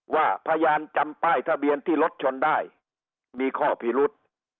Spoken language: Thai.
ว่าพยานจำป้ายทะเบียนที่รถชนได้มีข้อพิรุษ